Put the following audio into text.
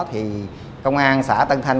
thì công an xã tân thành